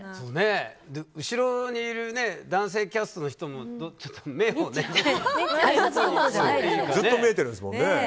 後ろにいる男性キャストの人たちのずっと見えてるんですもんね。